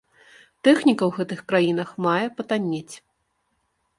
Тэхніка ў гэтых краінах мае патаннець.